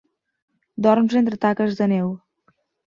Dorms entre taques de neu.